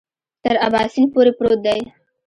تر اباسین پورې پروت دی.